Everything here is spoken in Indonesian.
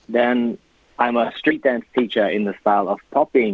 dan saya guru suara dance di style popping